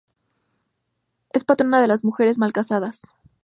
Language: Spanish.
Es patrona de las mujeres mal casadas.